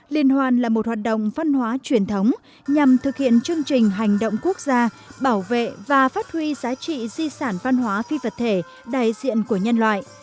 liên hoan là một hoạt động văn hóa truyền thống nhằm thực hiện chương trình hành động quốc gia bảo vệ và phát huy giá trị di sản văn hóa phi vật thể đại diện của nhân loại